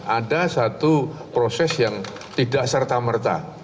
ada satu proses yang tidak serta merta